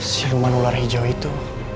si luman ular hijau itu